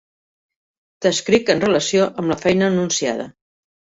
T'escric en relació amb la feina anunciada.